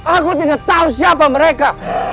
aku tidak tahu siapa mereka